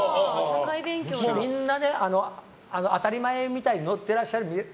みんな、当たり前みたいに乗ってらっしゃる。